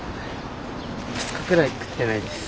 ２日くらい食ってないです。